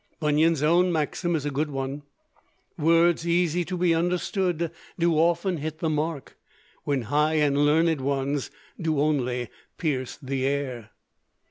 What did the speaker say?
Bunyan's own maxim is a good one: "Words easy to be understood do often hit the mark, when high and learned ones do only pierce the air."